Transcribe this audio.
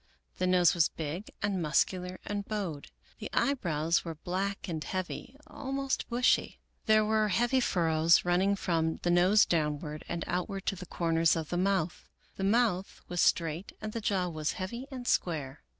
The nose was big and muscular and bowed. The eyebrows were black and heavy, almost bushy. There were heavy furrows, running from the nose downward and outward to the corners of the mouth. The mouth was straight and the jaw was heavy, and square.